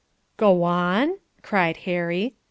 "Go on?" cried Harry.